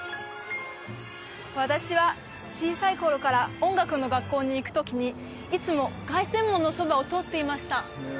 私は小さい頃から音楽の学校に行くときにいつも凱旋門のそばを通っていました